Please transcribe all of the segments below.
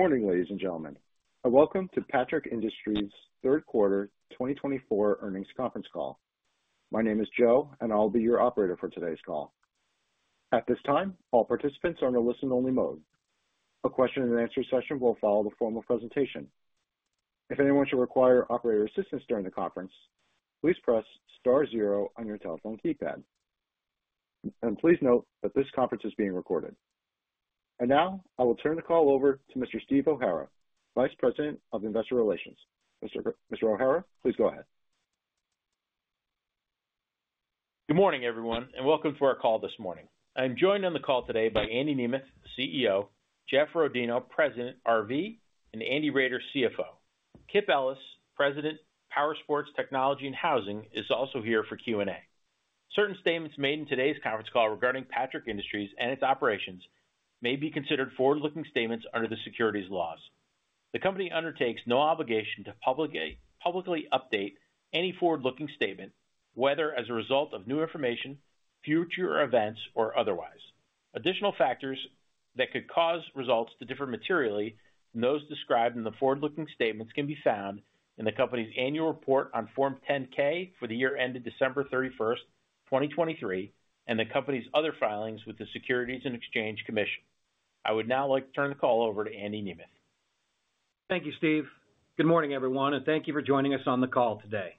Good morning, ladies and gentlemen. Welcome to Patrick Industries' third quarter 2024 earnings conference call. My name is Joe, and I'll be your operator for today's call. At this time, all participants are in a listen-only mode. A question-and-answer session will follow the formal presentation. If anyone should require operator assistance during the conference, please press star zero on your telephone keypad. And please note that this conference is being recorded. And now, I will turn the call over to Mr. Steve O'Hara, Vice President of Investor Relations. Mr. O'Hara, please go ahead. Good morning, everyone, and welcome to our call this morning. I'm joined on the call today by Andy Nemeth, CEO, Jeff Rodino, President, RV, and Andy Roeder, CFO. Kip Ellis, President, Powersports, Technology, and Housing, is also here for Q&A. Certain statements made in today's conference call regarding Patrick Industries and its operations may be considered forward-looking statements under the securities laws. The company undertakes no obligation to publicly update any forward-looking statement, whether as a result of new information, future events, or otherwise. Additional factors that could cause results to differ materially than those described in the forward-looking statements can be found in the company's annual report on Form 10-K for the year ended December 31st, 2023, and the company's other filings with the Securities and Exchange Commission. I would now like to turn the call over to Andy Nemeth. Thank you, Steve. Good morning, everyone, and thank you for joining us on the call today.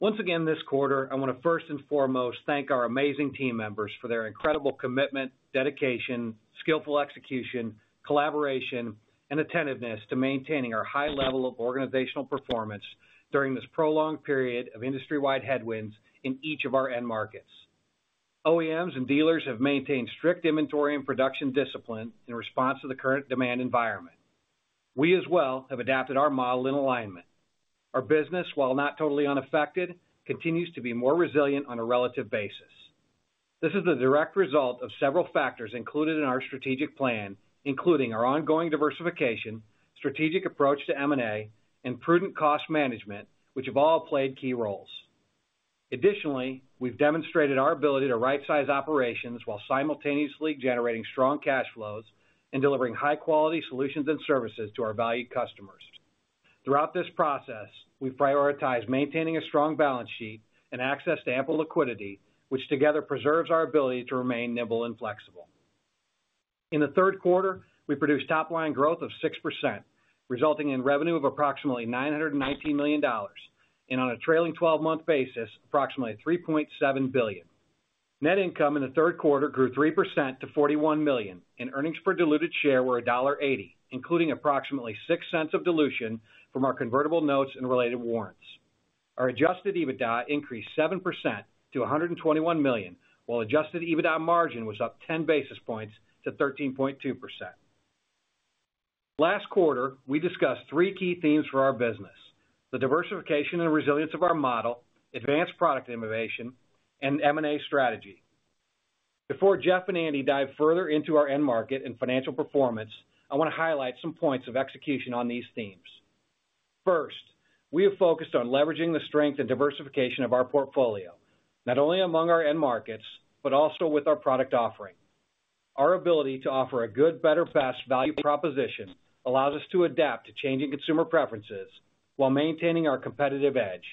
Once again this quarter, I want to first and foremost thank our amazing team members for their incredible commitment, dedication, skillful execution, collaboration, and attentiveness to maintaining our high level of organizational performance during this prolonged period of industry-wide headwinds in each of our end markets. OEMs and dealers have maintained strict inventory and production discipline in response to the current demand environment. We, as well, have adapted our model in alignment. Our business, while not totally unaffected, continues to be more resilient on a relative basis. This is the direct result of several factors included in our strategic plan, including our ongoing diversification, strategic approach to M&A, and prudent cost management, which have all played key roles. Additionally, we've demonstrated our ability to right-size operations while simultaneously generating strong cash flows and delivering high-quality solutions and services to our valued customers. Throughout this process, we've prioritized maintaining a strong balance sheet and access to ample liquidity, which together preserves our ability to remain nimble and flexible. In the third quarter, we produced top-line growth of 6%, resulting in revenue of approximately $919 million, and on a trailing 12-month basis, approximately $3.7 billion. Net income in the third quarter grew 3% to $41 million, and earnings per diluted share were $1.80, including approximately $0.06 of dilution from our convertible notes and related warrants. Our Adjusted EBITDA increased 7% to $121 million, while Adjusted EBITDA margin was up 10 basis points to 13.2%. Last quarter, we discussed three key themes for our business: the diversification and resilience of our model, advanced product innovation, and M&A strategy. Before Jeff and Andy dive further into our end market and financial performance, I want to highlight some points of execution on these themes. First, we have focused on leveraging the strength and diversification of our portfolio, not only among our end markets but also with our product offering. Our ability to offer a good, better, best value proposition allows us to adapt to changing consumer preferences while maintaining our competitive edge.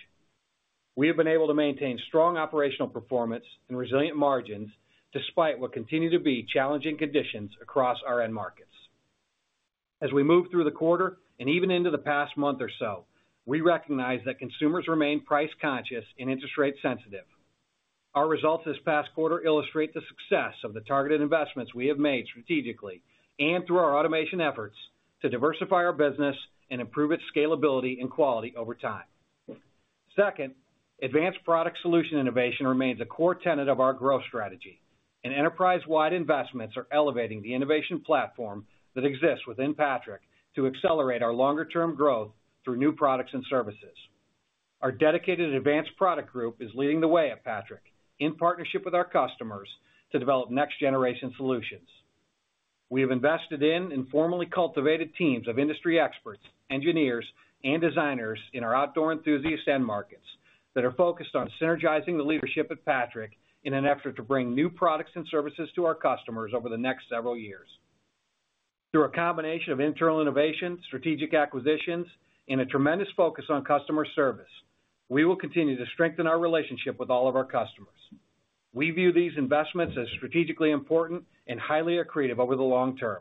We have been able to maintain strong operational performance and resilient margins despite what continue to be challenging conditions across our end markets. As we move through the quarter and even into the past month or so, we recognize that consumers remain price-conscious and interest rate-sensitive. Our results this past quarter illustrate the success of the targeted investments we have made strategically and through our automation efforts to diversify our business and improve its scalability and quality over time. Second, advanced product solution innovation remains a core tenet of our growth strategy, and enterprise-wide investments are elevating the innovation platform that exists within Patrick to accelerate our longer-term growth through new products and services. Our dedicated advanced product group is leading the way at Patrick, in partnership with our customers, to develop next-generation solutions. We have invested in and formally cultivated teams of industry experts, engineers, and designers in our outdoor enthusiast end markets that are focused on synergizing the leadership at Patrick in an effort to bring new products and services to our customers over the next several years. Through a combination of internal innovation, strategic acquisitions, and a tremendous focus on customer service, we will continue to strengthen our relationship with all of our customers. We view these investments as strategically important and highly accretive over the long term.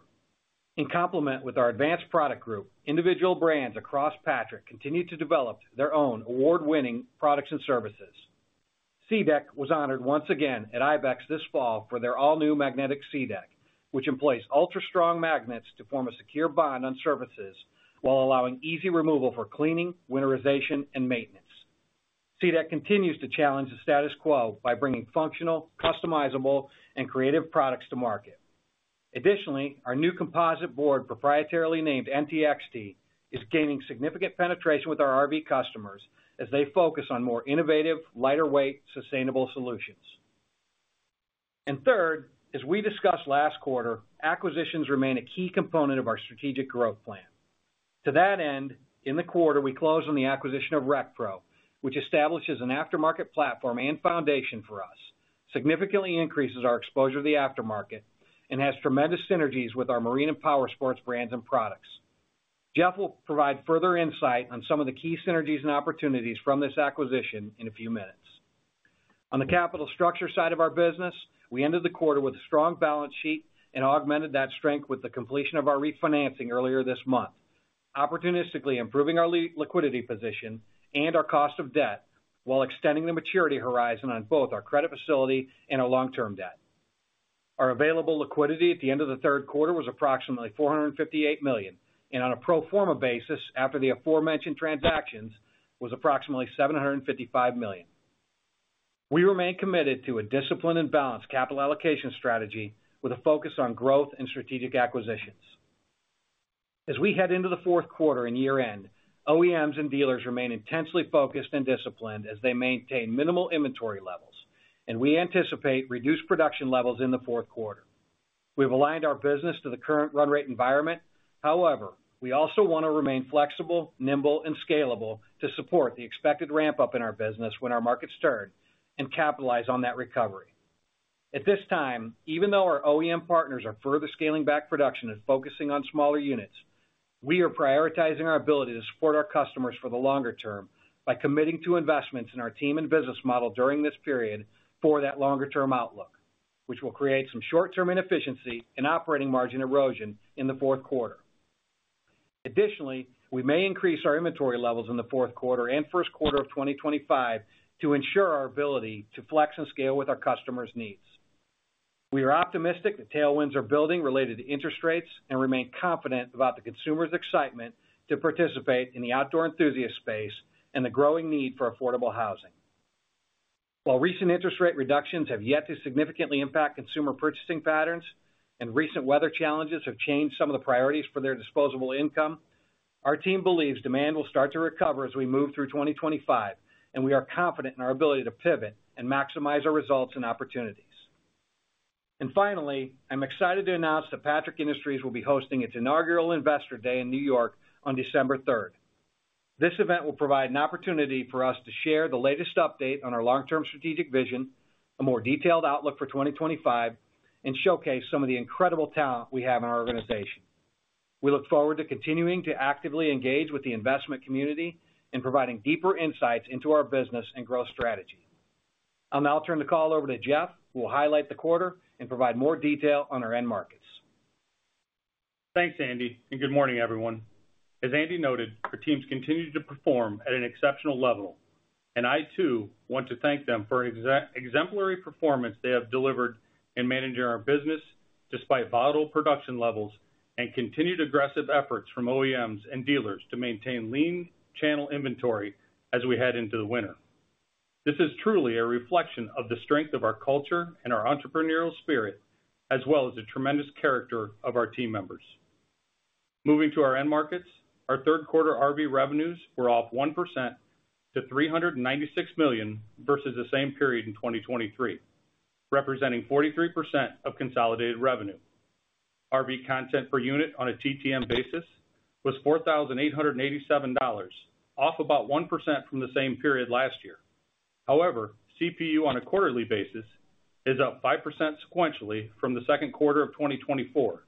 In complement with our advanced product group, individual brands across Patrick continue to develop their own award-winning products and services. SeaDek was honored once again at IBEX this fall for their all-new magnetic SeaDek, which employs ultra-strong magnets to form a secure bond on surfaces while allowing easy removal for cleaning, winterization, and maintenance. SeaDek continues to challenge the status quo by bringing functional, customizable, and creative products to market. Additionally, our new composite board, proprietarily named NyLo, is gaining significant penetration with our RV customers as they focus on more innovative, lighter-weight, sustainable solutions. And third, as we discussed last quarter, acquisitions remain a key component of our strategic growth plan. To that end, in the quarter, we close on the acquisition of RecPro, which establishes an aftermarket platform and foundation for us, significantly increases our exposure to the aftermarket, and has tremendous synergies with our marine and powersports brands and products. Jeff will provide further insight on some of the key synergies and opportunities from this acquisition in a few minutes. On the capital structure side of our business, we ended the quarter with a strong balance sheet and augmented that strength with the completion of our refinancing earlier this month, opportunistically improving our liquidity position and our cost of debt while extending the maturity horizon on both our credit facility and our long-term debt. Our available liquidity at the end of the third quarter was approximately $458 million, and on a pro forma basis, after the aforementioned transactions, was approximately $755 million. We remain committed to a disciplined and balanced capital allocation strategy with a focus on growth and strategic acquisitions. As we head into the fourth quarter and year-end, OEMs and dealers remain intensely focused and disciplined as they maintain minimal inventory levels, and we anticipate reduced production levels in the fourth quarter. We have aligned our business to the current run-rate environment. However, we also want to remain flexible, nimble, and scalable to support the expected ramp-up in our business when our markets turn and capitalize on that recovery. At this time, even though our OEM partners are further scaling back production and focusing on smaller units, we are prioritizing our ability to support our customers for the longer term by committing to investments in our team and business model during this period for that longer-term outlook, which will create some short-term inefficiency and operating margin erosion in the fourth quarter. Additionally, we may increase our inventory levels in the fourth quarter and first quarter of 2025 to ensure our ability to flex and scale with our customers' needs. We are optimistic that tailwinds are building related to interest rates and remain confident about the consumers' excitement to participate in the outdoor enthusiast space and the growing need for affordable housing. While recent interest rate reductions have yet to significantly impact consumer purchasing patterns and recent weather challenges have changed some of the priorities for their disposable income, our team believes demand will start to recover as we move through 2025, and we are confident in our ability to pivot and maximize our results and opportunities. And finally, I'm excited to announce that Patrick Industries will be hosting its inaugural Investor Day in New York on December 3rd. This event will provide an opportunity for us to share the latest update on our long-term strategic vision, a more detailed outlook for 2025, and showcase some of the incredible talent we have in our organization. We look forward to continuing to actively engage with the investment community and providing deeper insights into our business and growth strategy. I'll now turn the call over to Jeff, who will highlight the quarter and provide more detail on our end markets. Thanks, Andy, and good morning, everyone. As Andy noted, our teams continue to perform at an exceptional level, and I, too, want to thank them for the exemplary performance they have delivered in managing our business despite volatile production levels and continued aggressive efforts from OEMs and dealers to maintain lean channel inventory as we head into the winter. This is truly a reflection of the strength of our culture and our entrepreneurial spirit, as well as the tremendous character of our team members. Moving to our end markets, our third-quarter RV revenues were off 1% to $396 million versus the same period in 2023, representing 43% of consolidated revenue. RV content per unit on a TTM basis was $4,887, off about 1% from the same period last year. However, CPU on a quarterly basis is up 5% sequentially from the second quarter of 2024,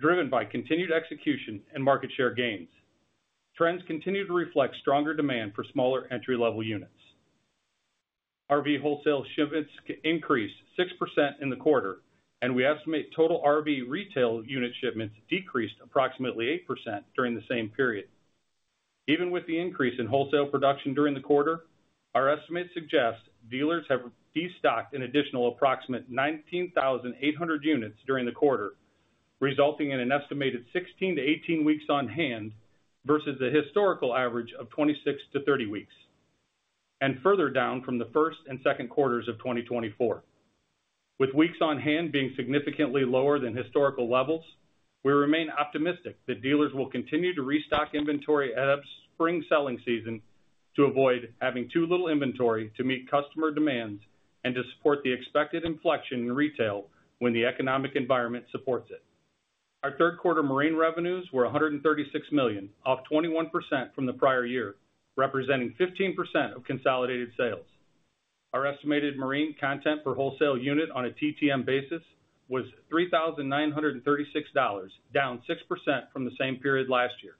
driven by continued execution and market share gains. Trends continue to reflect stronger demand for smaller entry-level units. RV wholesale shipments increased 6% in the quarter, and we estimate total RV retail unit shipments decreased approximately 8% during the same period. Even with the increase in wholesale production during the quarter, our estimates suggest dealers have destocked an additional approximate 19,800 units during the quarter, resulting in an estimated 16-18 weeks on hand versus the historical average of 26-30 weeks, and further down from the first and second quarters of 2024. With weeks on hand being significantly lower than historical levels, we remain optimistic that dealers will continue to restock inventory ahead of spring selling season to avoid having too little inventory to meet customer demands and to support the expected inflection in retail when the economic environment supports it. Our third-quarter marine revenues were $136 million, off 21% from the prior year, representing 15% of consolidated sales. Our estimated marine content per wholesale unit on a TTM basis was $3,936, down 6% from the same period last year.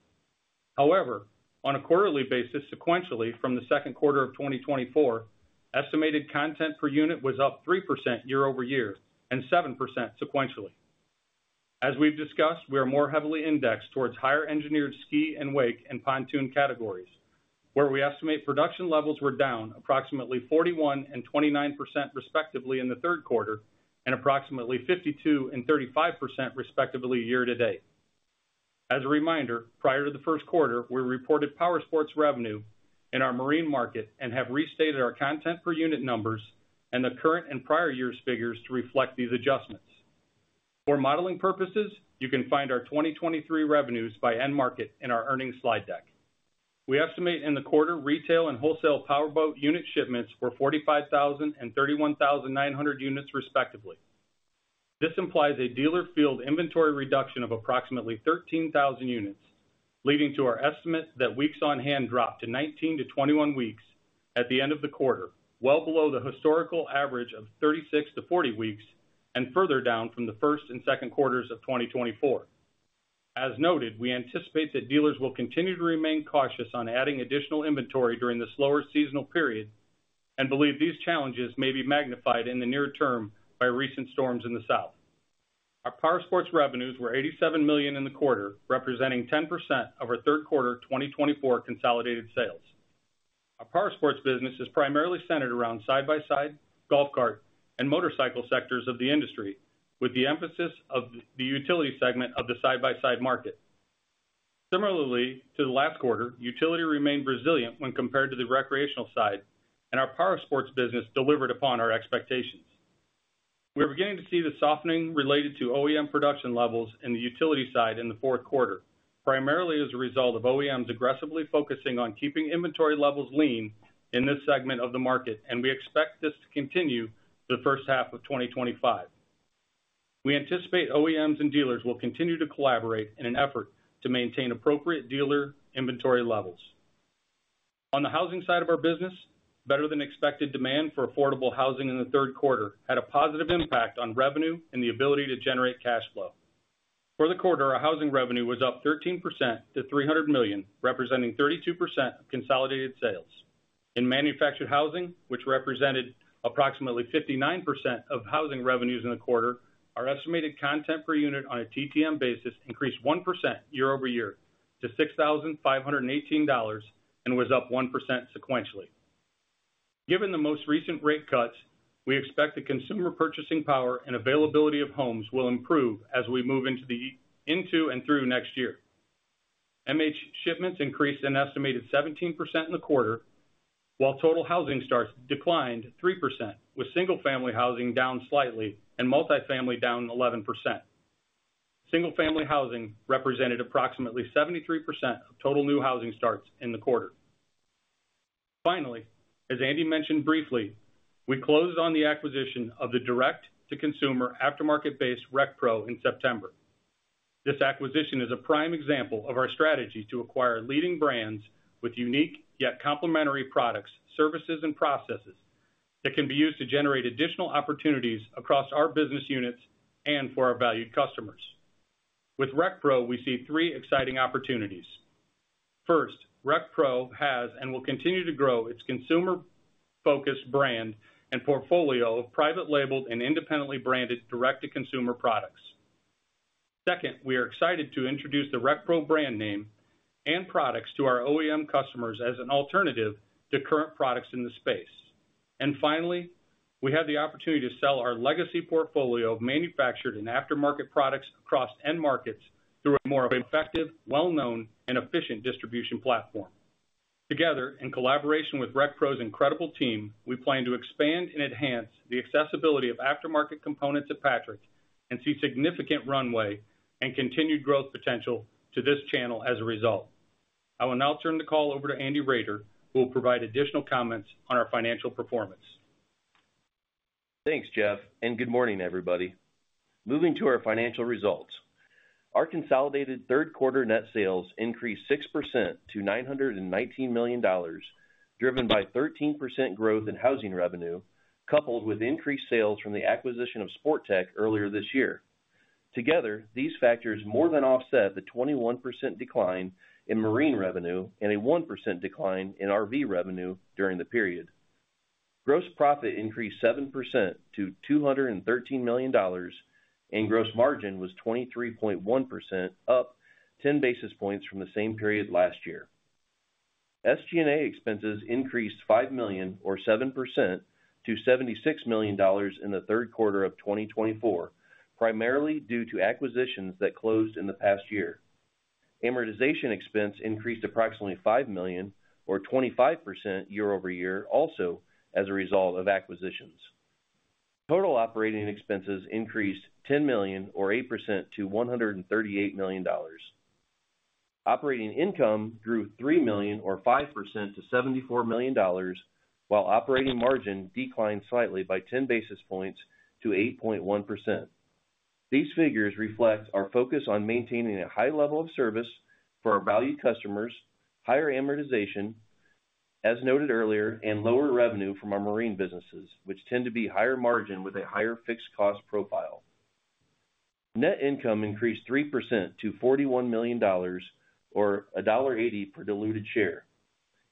However, on a quarterly basis sequentially from the second quarter of 2024, estimated content per unit was up 3% year-over-year and 7% sequentially. As we've discussed, we are more heavily indexed towards higher-engineered ski and wake and pontoon categories, where we estimate production levels were down approximately 41 and 29% respectively in the third quarter and approximately 52 and 35% respectively year-to-date. As a reminder, prior to the first quarter, we reported powersports revenue in our marine market and have restated our content per unit numbers and the current and prior year's figures to reflect these adjustments. For modeling purposes, you can find our 2023 revenues by end market in our earnings slide deck. We estimate in the quarter retail and wholesale powerboat unit shipments were 45,000 and 31,900 units respectively. This implies a dealer-field inventory reduction of approximately 13,000 units, leading to our estimate that weeks on hand dropped to 19-21 weeks at the end of the quarter, well below the historical average of 36-40 weeks and further down from the first and second quarters of 2024. As noted, we anticipate that dealers will continue to remain cautious on adding additional inventory during the slower seasonal period and believe these challenges may be magnified in the near term by recent storms in the south. Our powersports revenues were $87 million in the quarter, representing 10% of our third quarter 2024 consolidated sales. Our powersports business is primarily centered around side-by-side, golf cart, and motorcycle sectors of the industry, with the emphasis on the utility segment of the side-by-side market. Similarly to the last quarter, utility remained resilient when compared to the recreational side, and our powersports business delivered upon our expectations. We're beginning to see the softening related to OEM production levels in the utility side in the fourth quarter, primarily as a result of OEMs aggressively focusing on keeping inventory levels lean in this segment of the market, and we expect this to continue through the first half of 2025. We anticipate OEMs and dealers will continue to collaborate in an effort to maintain appropriate dealer inventory levels. On the housing side of our business, better-than-expected demand for affordable housing in the third quarter had a positive impact on revenue and the ability to generate cash flow. For the quarter, our housing revenue was up 13% to $300 million, representing 32% of consolidated sales. In manufactured housing, which represented approximately 59% of housing revenues in the quarter, our estimated content per unit on a TTM basis increased 1% year-over-year to $6,518 and was up 1% sequentially. Given the most recent rate cuts, we expect that consumer purchasing power and availability of homes will improve as we move into and through next year. MH shipments increased an estimated 17% in the quarter, while total housing starts declined 3%, with single-family housing down slightly and multi-family down 11%. Single-family housing represented approximately 73% of total new housing starts in the quarter. Finally, as Andy mentioned briefly, we closed on the acquisition of the direct-to-consumer aftermarket-based RecPro in September. This acquisition is a prime example of our strategy to acquire leading brands with unique yet complementary products, services, and processes that can be used to generate additional opportunities across our business units and for our valued customers. With RecPro, we see three exciting opportunities. First, RecPro has and will continue to grow its consumer-focused brand and portfolio of privately labeled and independently branded direct-to-consumer products. Second, we are excited to introduce the RecPro brand name and products to our OEM customers as an alternative to current products in the space. And finally, we have the opportunity to sell our legacy portfolio of manufactured and aftermarket products across end markets through a more effective, well-known, and efficient distribution platform. Together, in collaboration with RecPro's incredible team, we plan to expand and enhance the accessibility of aftermarket components at Patrick and see significant runway and continued growth potential to this channel as a result. I will now turn the call over to Andy Roeder, who will provide additional comments on our financial performance. Thanks, Jeff, and good morning, everybody. Moving to our financial results, our consolidated third-quarter net sales increased 6% to $919 million, driven by 13% growth in housing revenue, coupled with increased sales from the acquisition of Sportech earlier this year. Together, these factors more than offset the 21% decline in marine revenue and a 1% decline in RV revenue during the period. Gross profit increased 7% to $213 million, and gross margin was 23.1%, up 10 basis points from the same period last year. SG&A expenses increased $5 million, or 7%, to $76 million in the third quarter of 2024, primarily due to acquisitions that closed in the past year. Amortization expense increased approximately $5 million, or 25% year-over-year, also as a result of acquisitions. Total operating expenses increased $10 million, or 8%, to $138 million. Operating income grew $3 million, or 5%, to $74 million, while operating margin declined slightly by 10 basis points to 8.1%. These figures reflect our focus on maintaining a high level of service for our valued customers, higher amortization, as noted earlier, and lower revenue from our marine businesses, which tend to be higher margin with a higher fixed cost profile. Net income increased 3% to $41 million, or $1.80 per diluted share.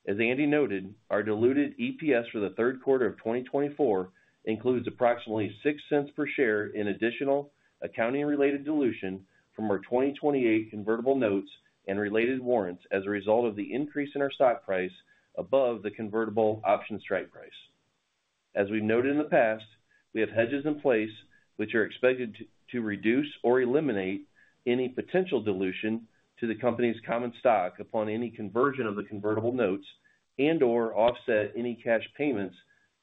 As Andy noted, our diluted EPS for the third quarter of 2024 includes approximately $0.06 per share in additional accounting-related dilution from our 2028 convertible notes and related warrants as a result of the increase in our stock price above the convertible option strike price. As we've noted in the past, we have hedges in place, which are expected to reduce or eliminate any potential dilution to the company's common stock upon any conversion of the convertible notes and/or offset any cash payments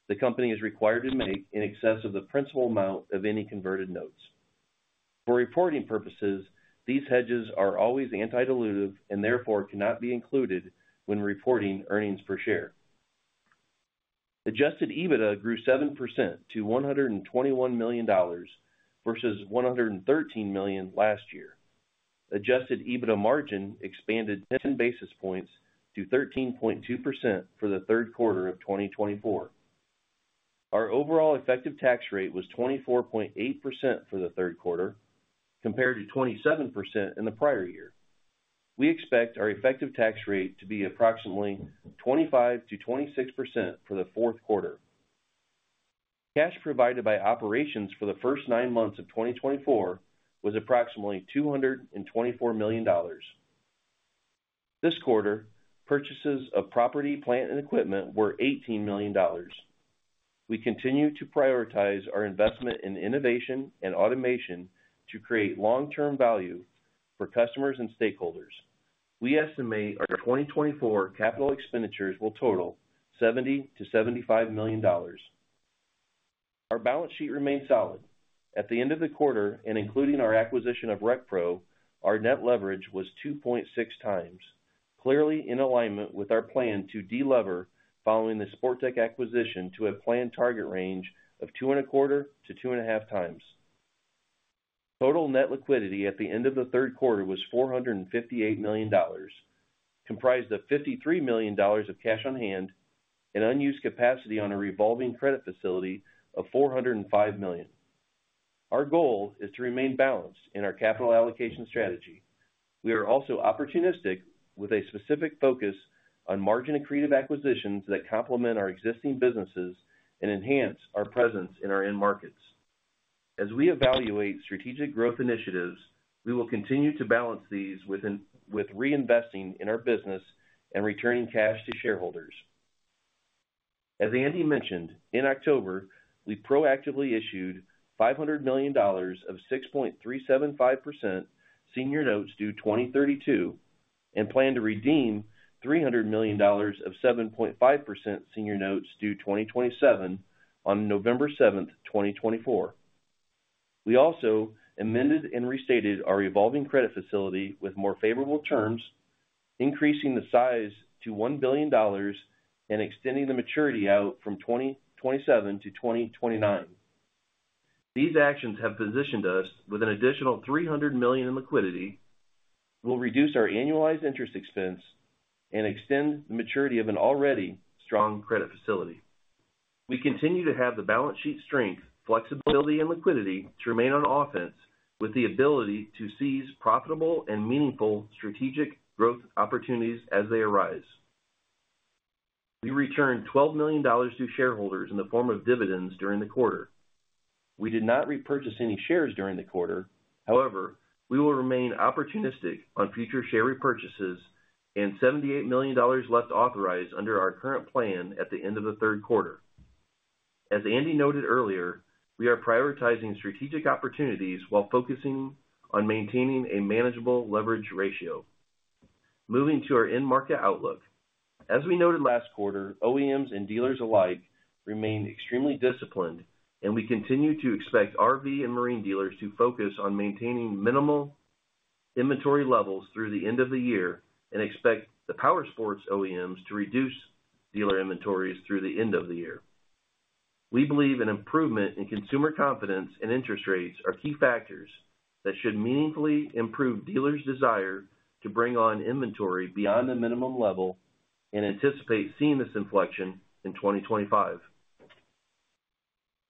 the company is required to make in excess of the principal amount of any converted notes. For reporting purposes, these hedges are always antidilutive and therefore cannot be included when reporting earnings per share. Adjusted EBITDA grew 7% to $121 million versus $113 million last year. Adjusted EBITDA margin expanded 10 basis points to 13.2% for the third quarter of 2024. Our overall effective tax rate was 24.8% for the third quarter, compared to 27% in the prior year. We expect our effective tax rate to be approximately 25% to 26% for the fourth quarter. Cash provided by operations for the first nine months of 2024 was approximately $224 million. This quarter, purchases of property, plant, and equipment were $18 million. We continue to prioritize our investment in innovation and automation to create long-term value for customers and stakeholders. We estimate our 2024 capital expenditures will total $70-$75 million. Our balance sheet remains solid. At the end of the quarter, and including our acquisition of RecPro, our net leverage was 2.6 times, clearly in alignment with our plan to delever following the Sportech acquisition to a planned target range of 2.25-2.5 times. Total net liquidity at the end of the third quarter was $458 million, comprised of $53 million of cash on hand and unused capacity on a revolving credit facility of $405 million. Our goal is to remain balanced in our capital allocation strategy. We are also opportunistic with a specific focus on margin-accretive acquisitions that complement our existing businesses and enhance our presence in our end markets. As we evaluate strategic growth initiatives, we will continue to balance these with reinvesting in our business and returning cash to shareholders. As Andy mentioned, in October, we proactively issued $500 million of 6.375% senior notes due 2032 and plan to redeem $300 million of 7.5% senior notes due 2027 on November 7, 2024. We also amended and restated our revolving credit facility with more favorable terms, increasing the size to $1 billion and extending the maturity out from 2027 to 2029. These actions have positioned us with an additional $300 million in liquidity, will reduce our annualized interest expense, and extend the maturity of an already strong credit facility. We continue to have the balance sheet strength, flexibility, and liquidity to remain on offense with the ability to seize profitable and meaningful strategic growth opportunities as they arise. We returned $12 million to shareholders in the form of dividends during the quarter. We did not repurchase any shares during the quarter. However, we will remain opportunistic on future share repurchases and $78 million left authorized under our current plan at the end of the third quarter. As Andy noted earlier, we are prioritizing strategic opportunities while focusing on maintaining a manageable leverage ratio. Moving to our end market outlook, as we noted last quarter, OEMs and dealers alike remain extremely disciplined, and we continue to expect RV and marine dealers to focus on maintaining minimal inventory levels through the end of the year and expect the powersports OEMs to reduce dealer inventories through the end of the year. We believe an improvement in consumer confidence and interest rates are key factors that should meaningfully improve dealers' desire to bring on inventory beyond the minimum level and anticipate seeing this inflection in 2025.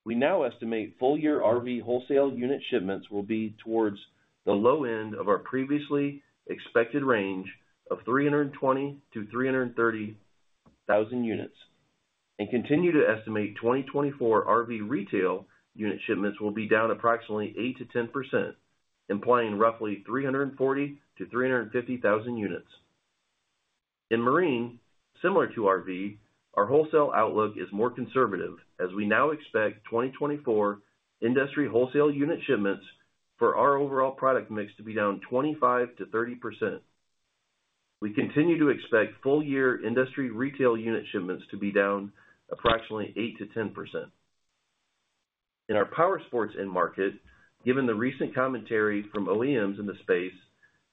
We now estimate full-year RV wholesale unit shipments will be towards the low end of our previously expected range of 320,000-330,000 units, and continue to estimate 2024 RV retail unit shipments will be down approximately 8%-10%, implying roughly 340,000-350,000 units. In marine, similar to RV, our wholesale outlook is more conservative as we now expect 2024 industry wholesale unit shipments for our overall product mix to be down 25%-30%. We continue to expect full-year industry retail unit shipments to be down approximately 8%-10%. In our powersports end market, given the recent commentary from OEMs in the space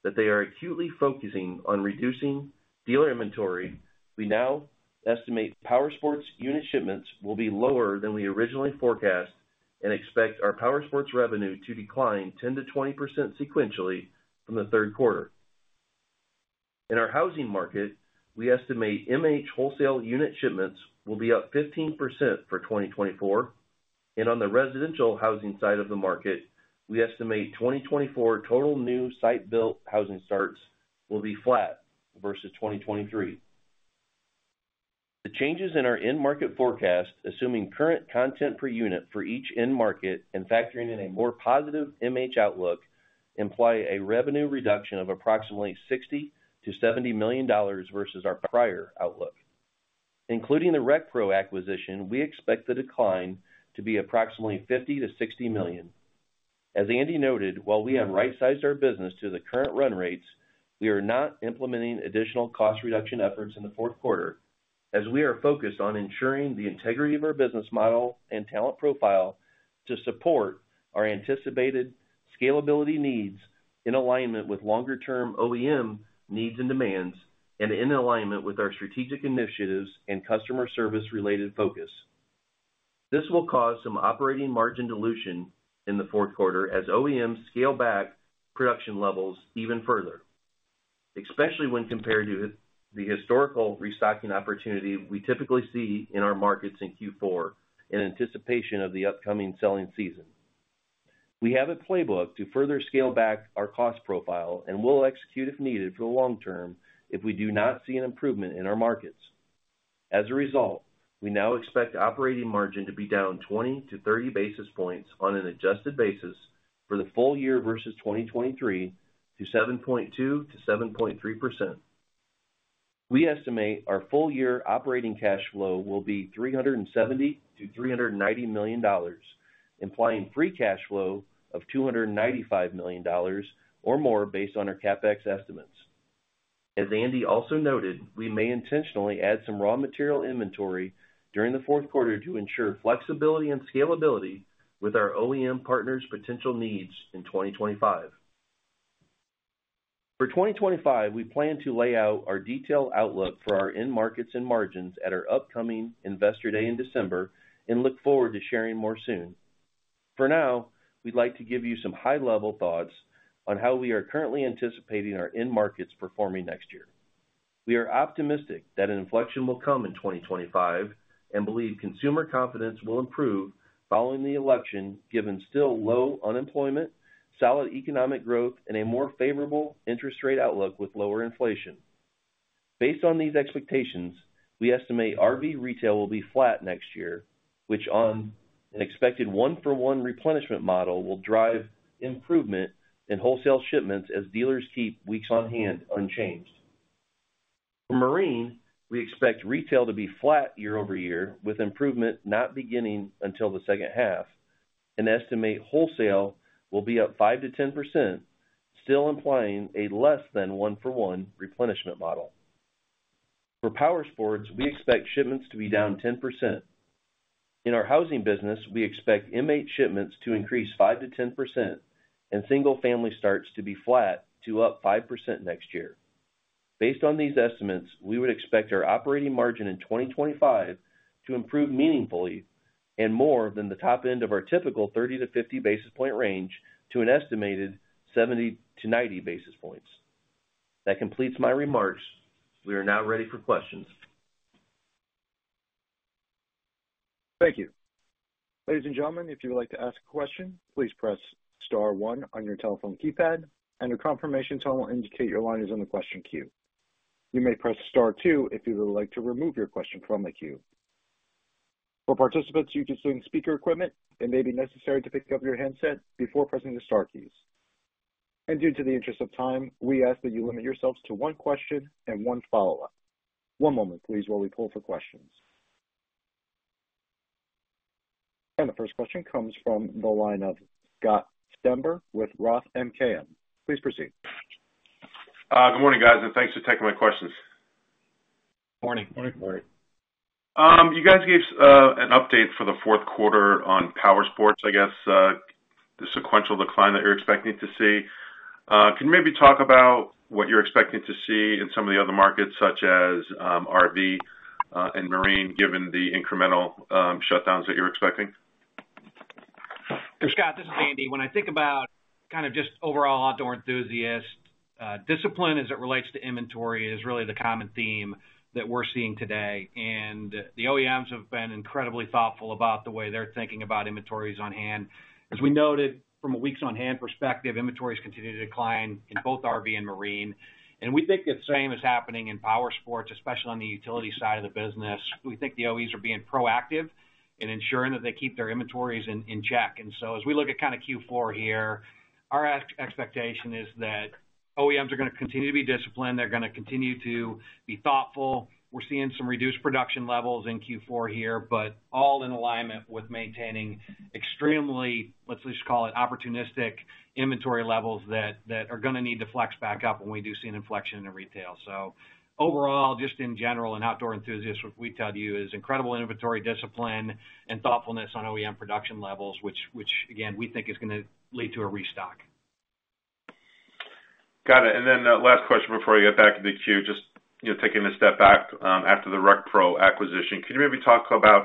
that they are acutely focusing on reducing dealer inventory, we now estimate powersports unit shipments will be lower than we originally forecast and expect our powersports revenue to decline 10%-20% sequentially from the third quarter. In our housing market, we estimate MH wholesale unit shipments will be up 15% for 2024, and on the residential housing side of the market, we estimate 2024 total new site-built housing starts will be flat versus 2023. The changes in our end market forecast, assuming current content per unit for each end market and factoring in a more positive MH outlook, imply a revenue reduction of approximately $60-$70 million versus our prior outlook. Including the RecPro acquisition, we expect the decline to be approximately $50-$60 million. As Andy noted, while we have right-sized our business to the current run rates, we are not implementing additional cost reduction efforts in the fourth quarter, as we are focused on ensuring the integrity of our business model and talent profile to support our anticipated scalability needs in alignment with longer-term OEM needs and demands and in alignment with our strategic initiatives and customer service-related focus. This will cause some operating margin dilution in the fourth quarter as OEMs scale back production levels even further, especially when compared to the historical restocking opportunity we typically see in our markets in Q4 in anticipation of the upcoming selling season. We have a playbook to further scale back our cost profile and will execute if needed for the long term if we do not see an improvement in our markets. As a result, we now expect operating margin to be down 20-30 basis points on an adjusted basis for the full year versus 2023 to 7.2%-7.3%. We estimate our full-year operating cash flow will be $370-$390 million, implying free cash flow of $295 million or more based on our CapEx estimates. As Andy also noted, we may intentionally add some raw material inventory during the fourth quarter to ensure flexibility and scalability with our OEM partners' potential needs in 2025. For 2025, we plan to lay out our detailed outlook for our end markets and margins at our upcoming Investor Day in December and look forward to sharing more soon. For now, we'd like to give you some high-level thoughts on how we are currently anticipating our end markets performing next year. We are optimistic that an inflection will come in 2025 and believe consumer confidence will improve following the election, given still low unemployment, solid economic growth, and a more favorable interest rate outlook with lower inflation. Based on these expectations, we estimate RV retail will be flat next year, which, on an expected one-for-one replenishment model, will drive improvement in wholesale shipments as dealers keep weeks on hand unchanged. For marine, we expect retail to be flat year-over-year, with improvement not beginning until the second half, and estimate wholesale will be up 5% to 10%, still implying a less-than-one-for-one replenishment model. For powersports, we expect shipments to be down 10%. In our housing business, we expect MH shipments to increase 5% to 10% and single-family starts to be flat to up 5% next year. Based on these estimates, we would expect our operating margin in 2025 to improve meaningfully and more than the top end of our typical 30-50 basis point range to an estimated 70-90 basis points. That completes my remarks. We are now ready for questions. Thank you. Ladies and gentlemen, if you would like to ask a question, please press Star 1 on your telephone keypad, and a confirmation tone will indicate your line is on the question queue. You may press Star 2 if you would like to remove your question from the queue. For participants using speaker equipment, it may be necessary to pick up your handset before pressing the Star keys, and in the interest of time, we ask that you limit yourselves to one question and one follow-up. One moment, please, while we pull for questions. The first question comes from the line of Scott Stember with Roth MKM. Please proceed. Good morning, guys, and thanks for taking my questions. Morning. Morning. Morning. You guys gave an update for the fourth quarter on powersports, I guess, the sequential decline that you're expecting to see. Can you maybe talk about what you're expecting to see in some of the other markets, such as RV and marine, given the incremental shutdowns that you're expecting? Scott, this is Andy. When I think about kind of just overall outdoor enthusiast discipline, as it relates to inventory, is really the common theme that we're seeing today. And the OEMs have been incredibly thoughtful about the way they're thinking about inventories on hand. As we noted, from a weeks-on-hand perspective, inventories continue to decline in both RV and marine. We think the same is happening in powersports, especially on the utility side of the business. We think the OEs are being proactive in ensuring that they keep their inventories in check. And so, as we look at kind of Q4 here, our expectation is that OEMs are going to continue to be disciplined. They're going to continue to be thoughtful. We're seeing some reduced production levels in Q4 here, but all in alignment with maintaining extremely, let's just call it, opportunistic inventory levels that are going to need to flex back up when we do see an inflection in retail. So overall, just in general, an outdoor enthusiast, what we tell you is incredible inventory discipline and thoughtfulness on OEM production levels, which, again, we think is going to lead to a restock. Got it. And then last question before I get back to the queue. Just taking a step back after the RecPro acquisition, could you maybe talk about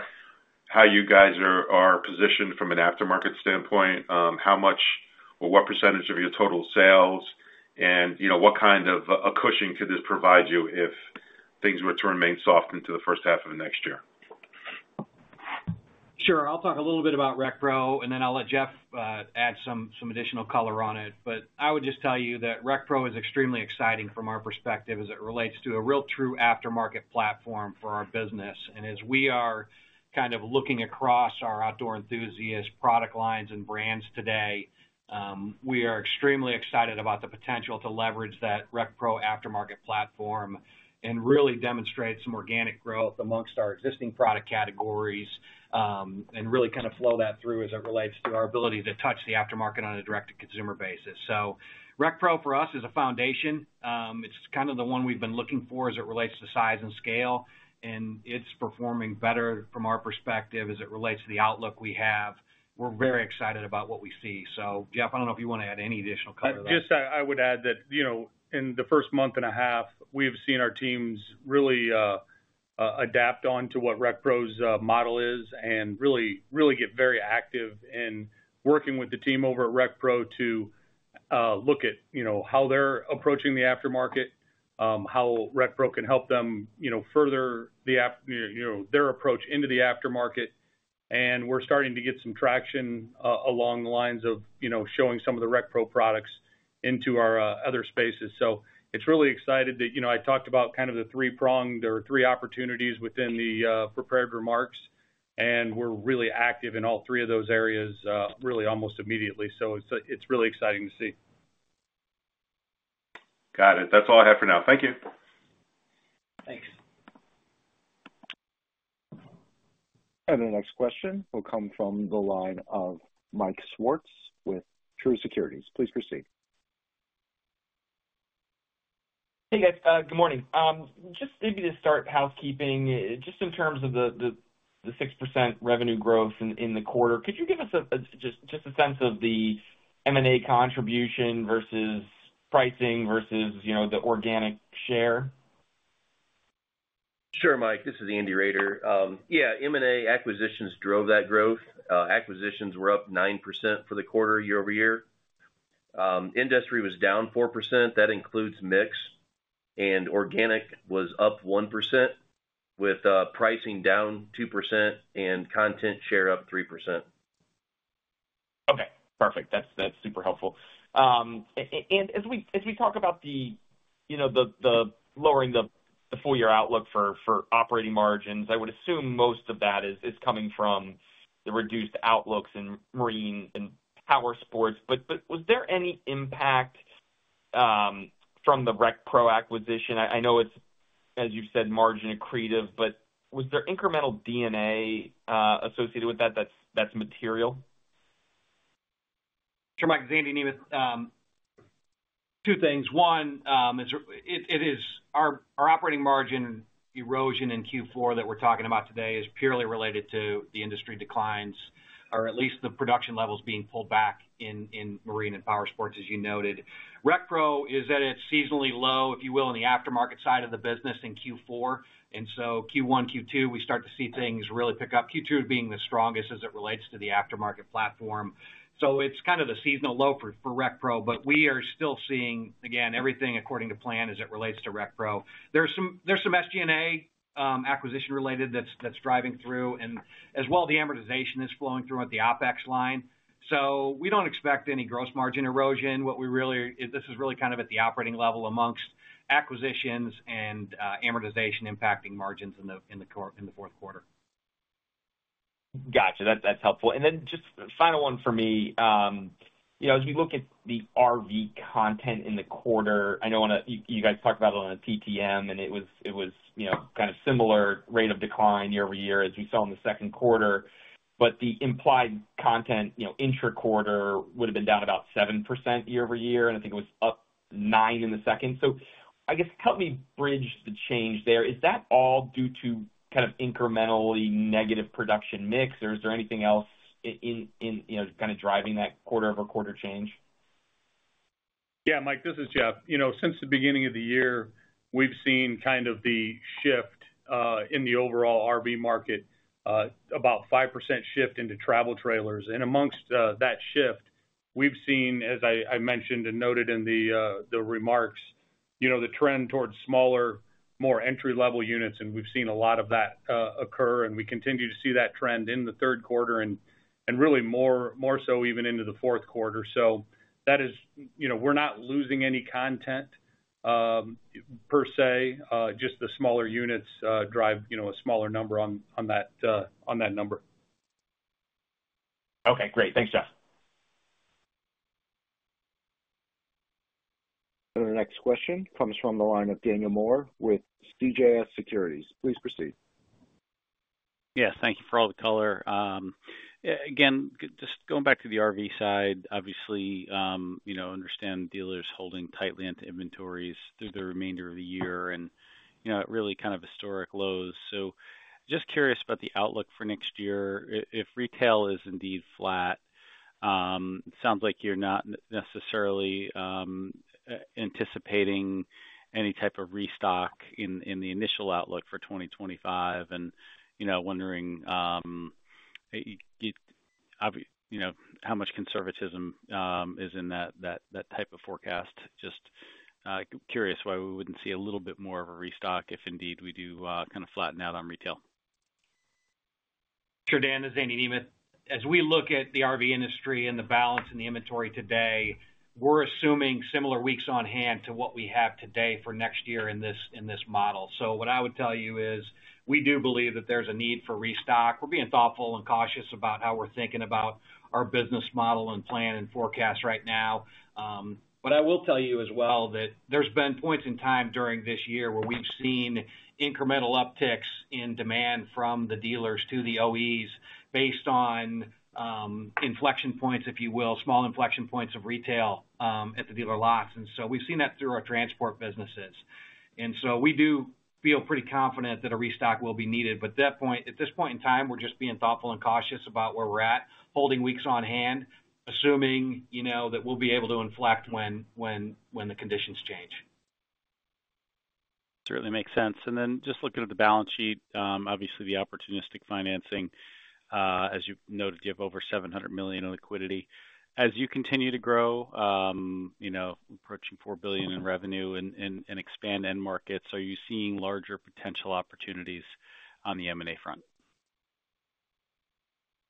how you guys are positioned from an aftermarket standpoint, how much or what percentage of your total sales, and what kind of a cushion could this provide you if things were to remain soft into the first half of next year? Sure. I'll talk a little bit about RecPro, and then I'll let Jeff add some additional color on it. But I would just tell you that RecPro is extremely exciting from our perspective as it relates to a real true aftermarket platform for our business. And as we are kind of looking across our outdoor enthusiast product lines and brands today, we are extremely excited about the potential to leverage that RecPro aftermarket platform and really demonstrate some organic growth among our existing product categories and really kind of flow that through as it relates to our ability to touch the aftermarket on a direct-to-consumer basis. So RecPro, for us, is a foundation. It's kind of the one we've been looking for as it relates to size and scale, and it's performing better from our perspective as it relates to the outlook we have. We're very excited about what we see. So, Jeff, I don't know if you want to add any additional color to that. Just, I would add that in the first month and a half, we have seen our teams really adapt on to what RecPro's model is and really get very active in working with the team over at RecPro to look at how they're approaching the aftermarket, how RecPro can help them further their approach into the aftermarket. And we're starting to get some traction along the lines of showing some of the RecPro products into our other spaces. So it's really exciting that I talked about kind of the three-pronged or three opportunities within the prepared remarks, and we're really active in all three of those areas really almost immediately. So it's really exciting to see. Got it. That's all I have for now. Thank you. Thanks.And the next question will come from the line of Mike Swartz with Truist Securities. Please proceed. Hey, guys. Good morning. Just maybe to start housekeeping, just in terms of the 6% revenue growth in the quarter, could you give us just a sense of the M&A contribution versus pricing versus the organic share? Sure, Mike. This is Andy Roeder. Yeah, M&A acquisitions drove that growth. Acquisitions were up 9% for the quarter year-over-year. Industry was down 4%. That includes mix. And organic was up 1% with pricing down 2% and content share up 3%. Okay. Perfect. That's super helpful. And as we talk about the lowering the full-year outlook for operating margins, I would assume most of that is coming from the reduced outlooks in marine and powersports. But was there any impact from the RecPro acquisition? I know it's, as you've said, margin accretive, but was there incremental D&A associated with that that's material? Sure, Mike. This is Andy Nemeth. Two things. One, our operating margin erosion in Q4 that we're talking about today is purely related to the industry declines or at least the production levels being pulled back in marine and powersports, as you noted. RecPro is at its seasonally low, if you will, in the aftermarket side of the business in Q4. Q1, Q2, we start to see things really pick up. Q2 being the strongest as it relates to the aftermarket platform. It's kind of the seasonal low for RecPro, but we are still seeing, again, everything according to plan as it relates to RecPro. There's some SG&A acquisition-related that's driving through, and as well, the amortization is flowing through at the OpEx line. We don't expect any gross margin erosion. This is really kind of at the operating level amongst acquisitions and amortization impacting margins in the fourth quarter. Gotcha. That's helpful. And then, just final one for me. As we look at the RV content in the quarter, I know you guys talked about it on the TTM, and it was kind of similar rate of decline year-over-year as we saw in the second quarter. But the implied content intra-quarter would have been down about 7% year-over-year, and I think it was up 9% in the second. So I guess help me bridge the change there. Is that all due to kind of incrementally negative production mix, or is there anything else kind of driving that quarter-over-quarter change? Yeah, Mike, this is Jeff. Since the beginning of the year, we've seen kind of the shift in the overall RV market, about a 5% shift into travel trailers. And amongst that shift, we've seen, as I mentioned and noted in the remarks, the trend towards smaller, more entry-level units, and we've seen a lot of that occur. And we continue to see that trend in the third quarter and really more so even into the fourth quarter. So that is, we're not losing any content per se. Just the smaller units drive a smaller number on that number. Okay. Great. Thanks, Jeff. And the next question comes from the line of Daniel Moore with CJS Securities. Please proceed. Yes. Thank you for all the color. Again, just going back to the RV side, obviously, I understand dealers holding tightly into inventories through the remainder of the year and at really kind of historic lows. So just curious about the outlook for next year. If retail is indeed flat, it sounds like you're not necessarily anticipating any type of restock in the initial outlook for 2025, and wondering how much conservatism is in that type of forecast. Just curious why we wouldn't see a little bit more of a restock if indeed we do kind of flatten out on retail. Sure, Dan. This is Andy Nemeth. As we look at the RV industry and the balance in the inventory today, we're assuming similar weeks on hand to what we have today for next year in this model. So what I would tell you is we do believe that there's a need for restock. We're being thoughtful and cautious about how we're thinking about our business model and plan and forecast right now. But I will tell you as well that there's been points in time during this year where we've seen incremental upticks in demand from the dealers to the OEs based on inflection points, if you will, small inflection points of retail at the dealer lots. And so we've seen that through our transport businesses. And so we do feel pretty confident that a restock will be needed. But at this point in time, we're just being thoughtful and cautious about where we're at, holding weeks on hand, assuming that we'll be able to inflect when the conditions change. That certainly makes sense. And then just looking at the balance sheet, obviously the opportunistic financing, as you've noted, you have over $700 million in liquidity. As you continue to grow, approaching $4 billion in revenue and expand end markets, are you seeing larger potential opportunities on the M&A front?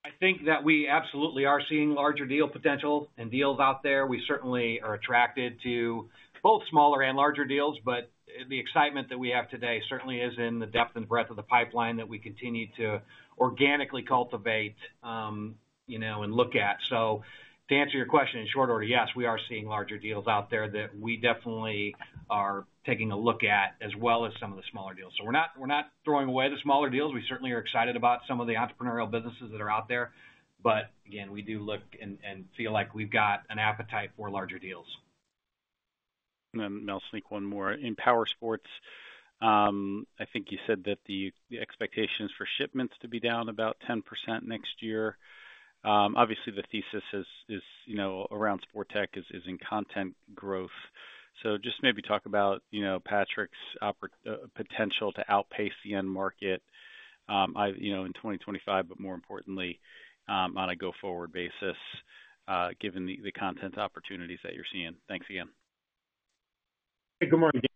I think that we absolutely are seeing larger deal potential and deals out there. We certainly are attracted to both smaller and larger deals, but the excitement that we have today certainly is in the depth and breadth of the pipeline that we continue to organically cultivate and look at. So to answer your question in short order, yes, we are seeing larger deals out there that we definitely are taking a look at as well as some of the smaller deals. So we're not throwing away the smaller deals. We certainly are excited about some of the entrepreneurial businesses that are out there. But again, we do look and feel like we've got an appetite for larger deals. And then I'll sneak one more. In powersports, I think you said that the expectation is for shipments to be down about 10% next year. Obviously, the thesis around Sportech is in content growth. So just maybe talk about Patrick's potential to outpace the end market in 2025, but more importantly, on a go-forward basis, given the content opportunities that you're seeing? Thanks again. Hey, good morning, David.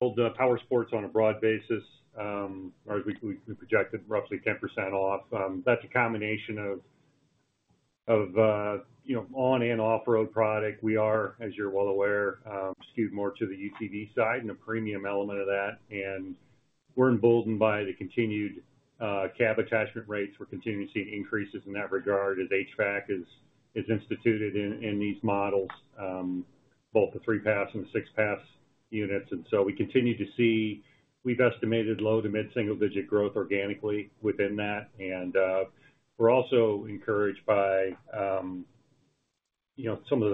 Overall, the powersports on a broad basis, or as we projected, roughly 10% off. That's a combination of on- and off-road product. We are, as you're well aware, skewed more to the UTV side and a premium element of that. And we're emboldened by the continued cab attachment rates. We're continuing to see increases in that regard as HVAC is instituted in these models, both the three-pass and the six-pass units. And so we continue to see we've estimated low to mid-single-digit growth organically within that. We're also encouraged by some of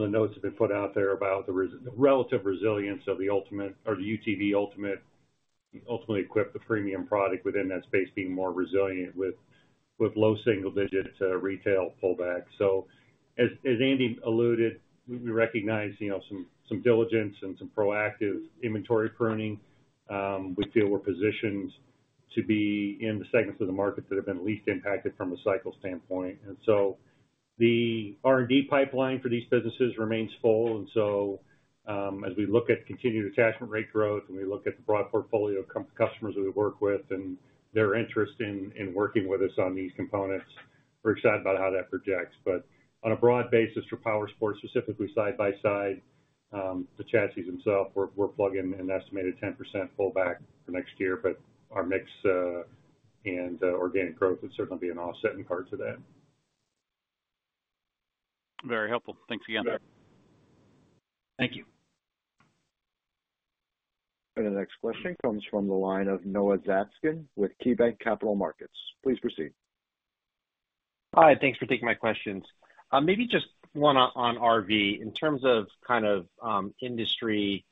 the notes that have been put out there about the relative resilience of the UTV, ultimately equipped, the premium product within that space being more resilient with low single-digit retail pullback. As Andy alluded, we recognize some diligence and some proactive inventory pruning. We feel we're positioned to be in the segments of the market that have been least impacted from a cycle standpoint. The R&D pipeline for these businesses remains full. As we look at continued attachment rate growth and we look at the broad portfolio of customers that we work with and their interest in working with us on these components, we're excited about how that projects. On a broad basis for powersports, specifically side-by-side, the chassis themselves, we're plugging an estimated 10% pullback for next year. But our mix and organic growth would certainly be an offsetting part to that. Very helpful. Thanks again. Thank you. And the next question comes from the line of Noah Zatskin with KeyBanc Capital Markets. Please proceed. Hi. Thanks for taking my questions. Maybe just one on RV. In terms of kind of industry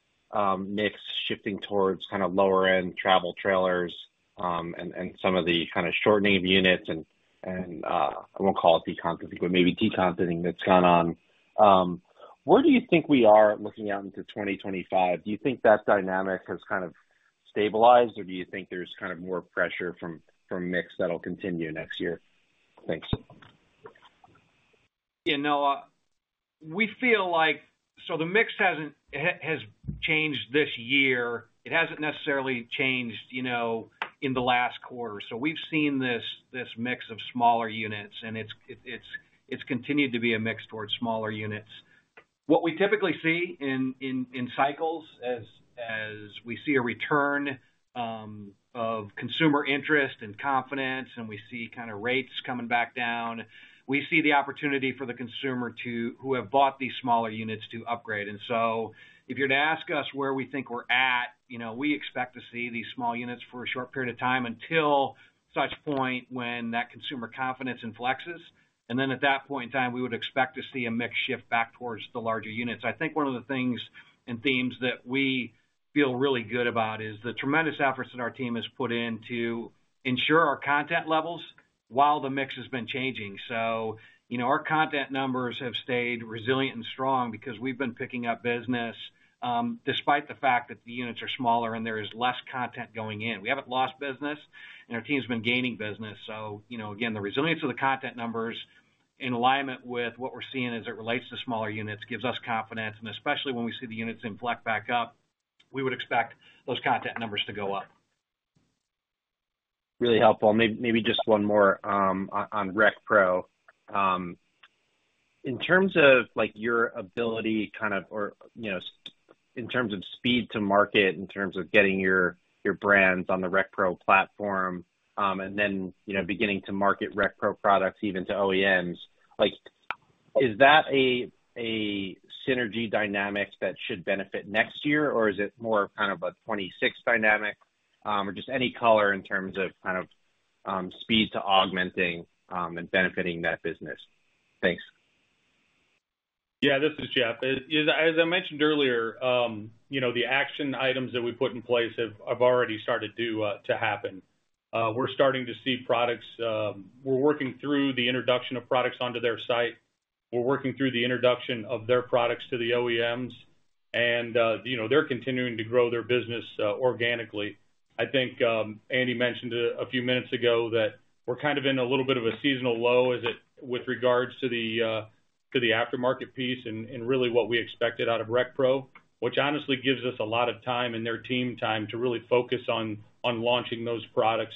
mix shifting towards kind of lower-end travel trailers and some of the kind of shortening of units and I won't call it de-contenting, but maybe de-contenting that's gone on, where do you think we are looking out into 2025? Do you think that dynamic has kind of stabilized, or do you think there's kind of more pressure from mix that'll continue next year? Thanks. Yeah, Noah, we feel like so the mix has changed this year. It hasn't necessarily changed in the last quarter. So we've seen this mix of smaller units, and it's continued to be a mix towards smaller units. What we typically see in cycles is we see a return of consumer interest and confidence, and we see kind of rates coming back down. We see the opportunity for the consumer who have bought these smaller units to upgrade. And so if you're to ask us where we think we're at, we expect to see these small units for a short period of time until such point when that consumer confidence inflects. And then at that point in time, we would expect to see a mix shift back towards the larger units. I think one of the things and themes that we feel really good about is the tremendous efforts that our team has put in to ensure our content levels while the mix has been changing. So our content numbers have stayed resilient and strong because we've been picking up business despite the fact that the units are smaller and there is less content going in. We haven't lost business, and our team has been gaining business. So again, the resilience of the content numbers in alignment with what we're seeing as it relates to smaller units gives us confidence. And especially when we see the units inflect back up, we would expect those content numbers to go up. Really helpful. And maybe just one more on RecPro. In terms of your ability kind of or in terms of speed to market, in terms of getting your brands on the RecPro platform and then beginning to market RecPro products even to OEMs, is that a synergy dynamic that should benefit next year, or is it more of kind of a longer-term dynamic or just any color in terms of kind of speed to augmenting and benefiting that business? Thanks. Yeah, this is Jeff. As I mentioned earlier, the action items that we put in place have already started to happen. We're starting to see products. We're working through the introduction of products onto their site. We're working through the introduction of their products to the OEMs, and they're continuing to grow their business organically. I think Andy mentioned a few minutes ago that we're kind of in a little bit of a seasonal low with regards to the aftermarket piece and really what we expected out of RecPro, which honestly gives us a lot of time and their team time to really focus on launching those products,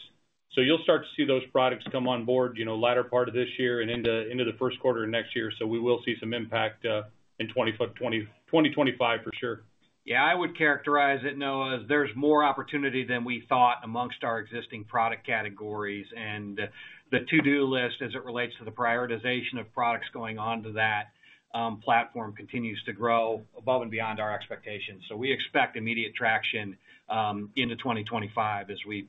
so you'll start to see those products come on board latter part of this year and into the first quarter of next year, so we will see some impact in 2025 for sure. Yeah, I would characterize it, Noah, as there's more opportunity than we thought amongst our existing product categories, and the to-do list as it relates to the prioritization of products going onto that platform continues to grow above and beyond our expectations, so we expect immediate traction into 2025 as we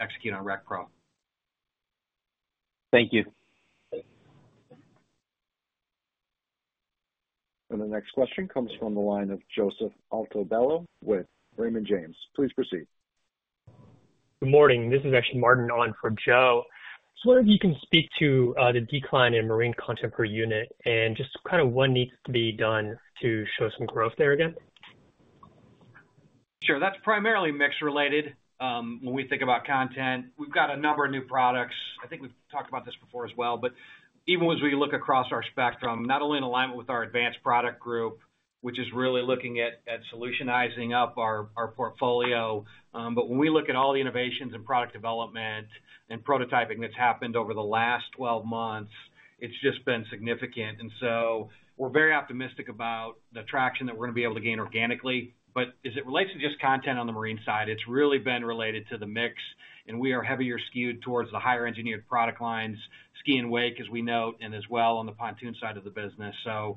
execute on RecPro. Thank you. And the next question comes from the line of Joseph Altobello with Raymond James. Please proceed. Good morning. This is actually Martin on for Joe. I was wondering if you can speak to the decline in marine content per unit and just kind of what needs to be done to show some growth there again. Sure. That's primarily mix-related when we think about content. We've got a number of new products. I think we've talked about this before as well. But even as we look across our spectrum, not only in alignment with our advanced product group, which is really looking at solutionizing up our portfolio, but when we look at all the innovations in product development and prototyping that's happened over the last 12 months, it's just been significant. And so we're very optimistic about the traction that we're going to be able to gain organically. But as it relates to just content on the marine side, it's really been related to the mix, and we are heavily skewed towards the higher-engineered product lines, ski and wake, as we note, and as well on the pontoon side of the business, and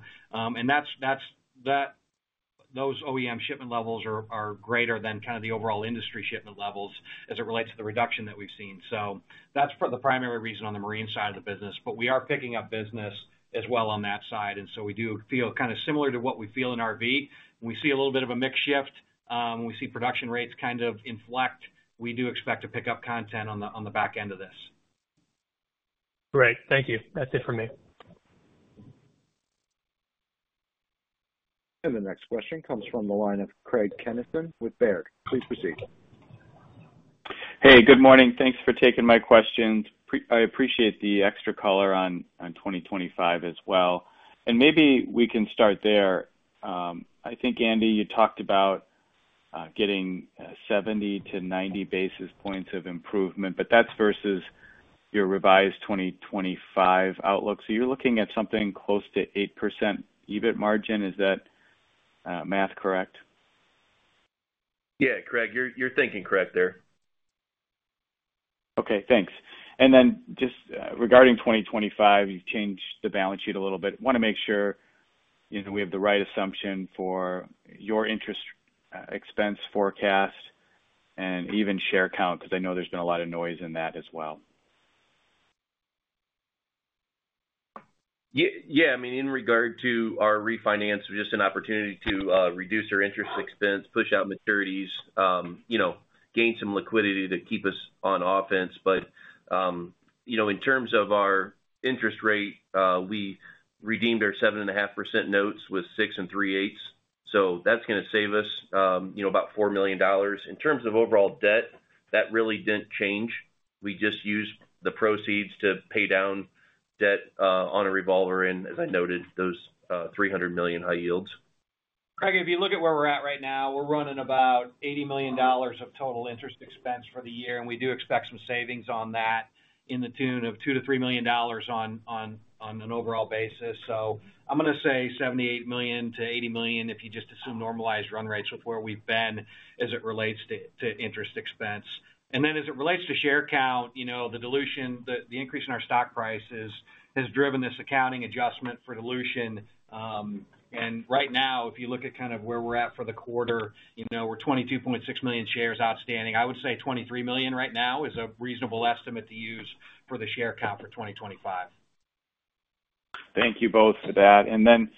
those OEM shipment levels are greater than kind of the overall industry shipment levels as it relates to the reduction that we've seen, so that's the primary reason on the marine side of the business, but we are picking up business as well on that side, and so we do feel kind of similar to what we feel in RV. When we see a little bit of a mix shift, when we see production rates kind of inflect, we do expect to pick up content on the back end of this. Great. Thank you. That's it for me. And the next question comes from the line of Craig Kennison with Baird. Please proceed. Hey, good morning. Thanks for taking my questions. I appreciate the extra color on 2025 as well. And maybe we can start there. I think, Andy, you talked about getting 70 to 90 basis points of improvement, but that's versus your revised 2025 outlook. So you're looking at something close to 8% EBIT margin. Is that math correct? Yeah, Craig, you're thinking correct there. Okay. Thanks. And then just regarding 2025, you've changed the balance sheet a little bit. I want to make sure we have the right assumption for your interest expense forecast and even share count because I know there's been a lot of noise in that as well. Yeah. I mean, in regard to our refinance, just an opportunity to reduce our interest expense, push out maturities, gain some liquidity to keep us on offense, but in terms of our interest rate, we redeemed our 7.5% notes with 6.375%. So that's going to save us about $4 million. In terms of overall debt, that really didn't change. We just used the proceeds to pay down debt on a revolver and, as I noted, those $300 million high yields. Craig, if you look at where we're at right now, we're running about $80 million of total interest expense for the year. And we do expect some savings on that in the tune of $2 million-$3 million on an overall basis, so I'm going to say $78 million-$80 million if you just assume normalized run rates with where we've been as it relates to interest expense. Then as it relates to share count, the dilution, the increase in our stock prices has driven this accounting adjustment for dilution. Right now, if you look at kind of where we're at for the quarter, we're 22.6 million shares outstanding. I would say 23 million right now is a reasonable estimate to use for the share count for 2025. Thank you both for that. Then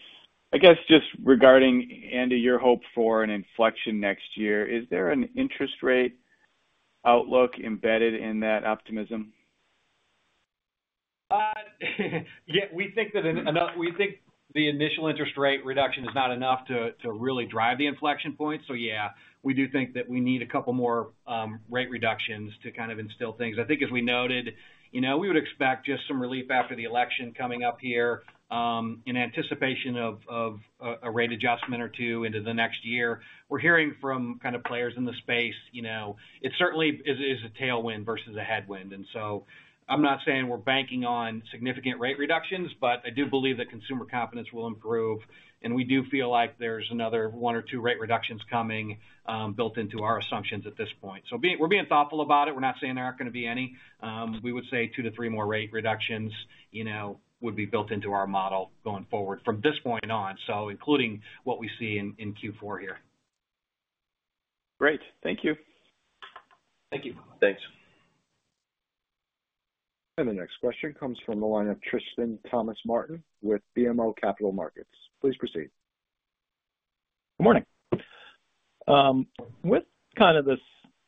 I guess just regarding, Andy, your hope for an inflection next year, is there an interest rate outlook embedded in that optimism? Yeah. We think that the initial interest rate reduction is not enough to really drive the inflection point. So yeah, we do think that we need a couple more rate reductions to kind of instill things. I think as we noted, we would expect just some relief after the election coming up here in anticipation of a rate adjustment or two into the next year. We're hearing from kind of players in the space. It certainly is a tailwind versus a headwind, and so I'm not saying we're banking on significant rate reductions, but I do believe that consumer confidence will improve, and we do feel like there's another one or two rate reductions coming built into our assumptions at this point. So we're being thoughtful about it. We're not saying there aren't going to be any. We would say two to three more rate reductions would be built into our model going forward from this point on, so including what we see in Q4 here. Great. Thank you. Thank you. Thanks. The next question comes from the line of Tristan Thomas-Martin with BMO Capital Markets. Please proceed. Good morning. With kind of this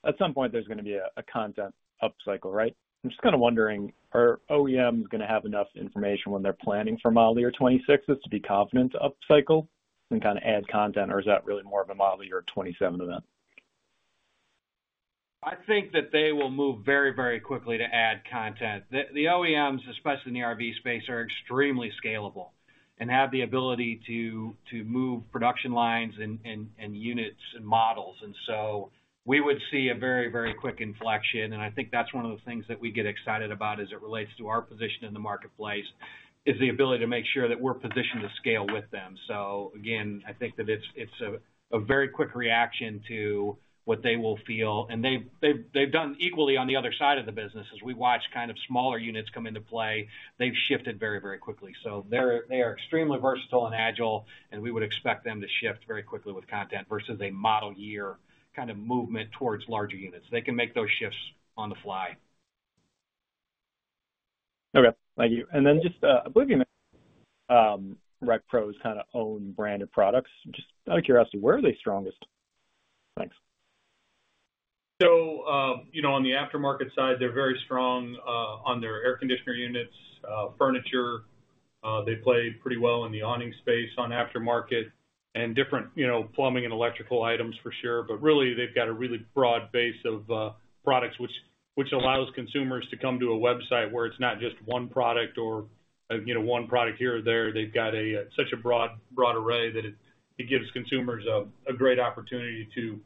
at some point, there's going to be a content upcycle, right? I'm just kind of wondering, are OEMs going to have enough information when they're planning for model year 2026 to be confident to upcycle and kind of add content, or is that really more of a model year 2027 event? I think that they will move very, very quickly to add content. The OEMs, especially in the RV space, are extremely scalable and have the ability to move production lines and units and models. So we would see a very, very quick inflection. I think that's one of the things that we get excited about as it relates to our position in the marketplace is the ability to make sure that we're positioned to scale with them. So again, I think that it's a very quick reaction to what they will feel. And they've done equally on the other side of the business. As we watch kind of smaller units come into play, they've shifted very, very quickly. So they are extremely versatile and agile, and we would expect them to shift very quickly with content versus a model year kind of movement towards larger units. They can make those shifts on the fly. Okay. Thank you. And then, just, I believe RecPro's kind of own branded products. Just out of curiosity, where are they strongest? Thanks. So on the aftermarket side, they're very strong on their air conditioner units, furniture. They play pretty well in the awning space on aftermarket and different plumbing and electrical items for sure. But really, they've got a really broad base of products, which allows consumers to come to a website where it's not just one product or one product here or there. They've got such a broad array that it gives consumers a great opportunity to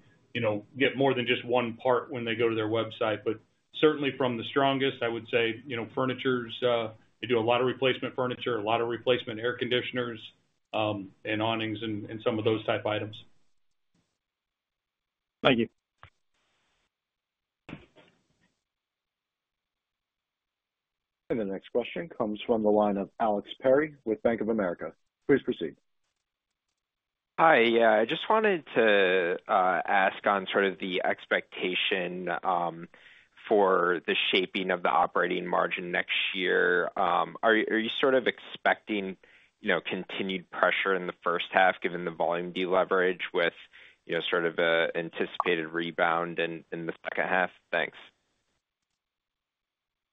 get more than just one part when they go to their website. But certainly from the strongest, I would say furniture. They do a lot of replacement furniture, a lot of replacement air conditioners and awnings and some of those type items. Thank you. And the next question comes from the line of Alex Perry with Bank of America. Please proceed. Hi. I just wanted to ask on sort of the expectation for the shaping of the operating margin next year. Are you sort of expecting continued pressure in the first half given the volume deleverage with sort of an anticipated rebound in the second half? Thanks.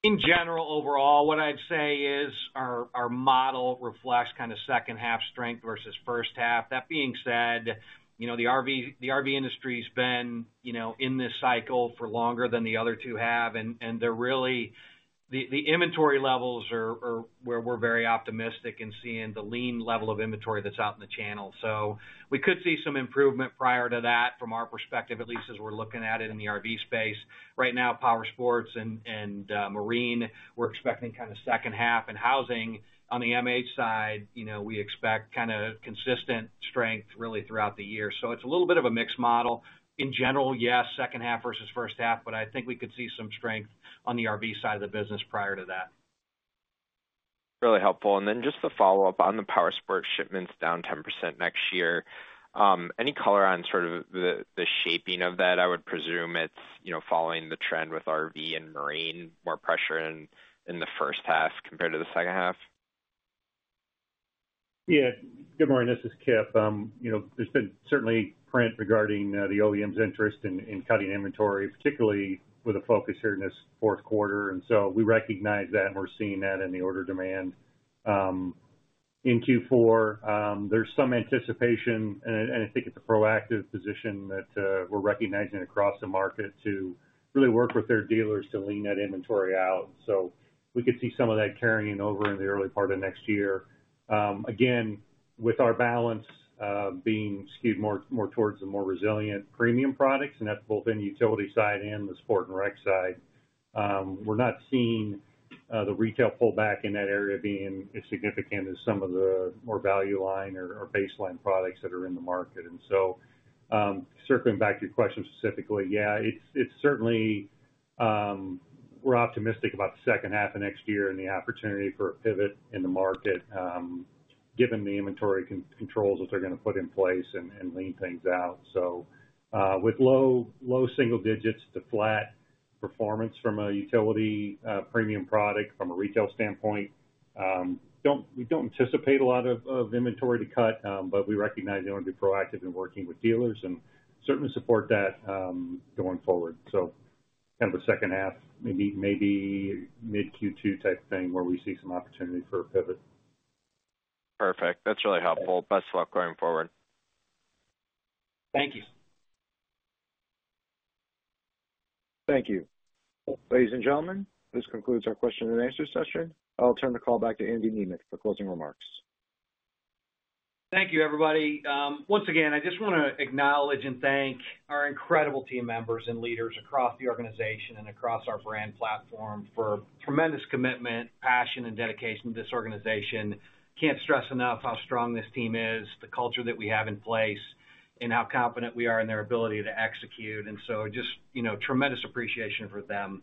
In general, overall, what I'd say is our model reflects kind of second-half strength versus first half. That being said, the RV industry has been in this cycle for longer than the other two have, and the inventory levels are where we're very optimistic in seeing the lean level of inventory that's out in the channel, so we could see some improvement prior to that from our perspective, at least as we're looking at it in the RV space. Right now, powersports and marine, we're expecting kind of second half, and housing on the MH side, we expect kind of consistent strength really throughout the year, so it's a little bit of a mixed model. In general, yes, second half versus first half, but I think we could see some strength on the RV side of the business prior to that. Really helpful. And then just to follow up on the powersports shipments down 10% next year, any color on sort of the shaping of that? I would presume it's following the trend with RV and marine, more pressure in the first half compared to the second half. Yeah. Good morning. This is Kip. There's been certainly print regarding the OEMs' interest in cutting inventory, particularly with a focus here in this fourth quarter. And so we recognize that, and we're seeing that in the order demand. In Q4, there's some anticipation, and I think it's a proactive position that we're recognizing across the market to really work with their dealers to lean that inventory out. So we could see some of that carrying over in the early part of next year. Again, with our balance being skewed more towards the more resilient premium products, and that's both in the utility side and the sport and rec side, we're not seeing the retail pullback in that area being as significant as some of the more value line or baseline products that are in the market. And so circling back to your question specifically, yeah, it's certainly we're optimistic about the second half of next year and the opportunity for a pivot in the market given the inventory controls that they're going to put in place and lean things out. So with low single digits to flat performance from a utility premium product from a retail standpoint, we don't anticipate a lot of inventory to cut, but we recognize they want to be proactive in working with dealers and certainly support that going forward. So kind of the second half, maybe mid-Q2 type thing where we see some opportunity for a pivot. Perfect. That's really helpful. Best of luck going forward. Thank you. Thank you. Ladies and gentlemen, this concludes our question and answer session. I'll turn the call back to Andy Nemeth for closing remarks. Thank you, everybody. Once again, I just want to acknowledge and thank our incredible team members and leaders across the organization and across our brand platform for tremendous commitment, passion, and dedication to this organization. Can't stress enough how strong this team is, the culture that we have in place, and how confident we are in their ability to execute. And so just tremendous appreciation for them.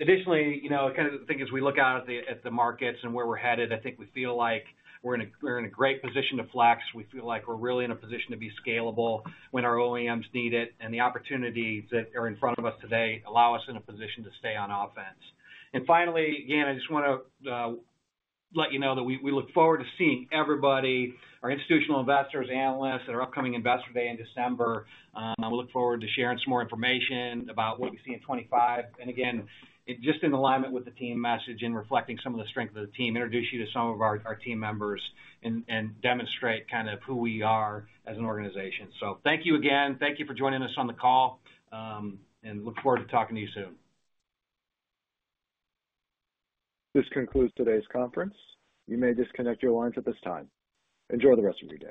Additionally, kind of the thing is we look out at the markets and where we're headed. I think we feel like we're in a great position to flex. We feel like we're really in a position to be scalable when our OEMs need it. And the opportunities that are in front of us today allow us in a position to stay on offense. And finally, again, I just want to let you know that we look forward to seeing everybody, our institutional investors, analysts, at our upcoming Investor Day in December. We look forward to sharing some more information about what we see in 2025. And again, just in alignment with the team message and reflecting some of the strength of the team, introduce you to some of our team members and demonstrate kind of who we are as an organization. So thank you again. Thank you for joining us on the call, and look forward to talking to you soon. This concludes today's conference. You may disconnect your lines at this time. Enjoy the rest of your week.